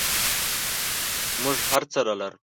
موږ هرڅه لرل.